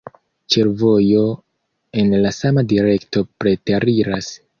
Ĉefvojo en la sama direkto preteriras.